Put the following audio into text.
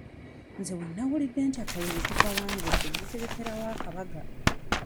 Nze bwe nnawulidde nti akalulu tukawangudde n'entegekerawo akabaga.